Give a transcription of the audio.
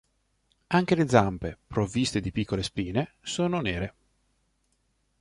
Anche le zampe, provviste di piccole spine, sono nere.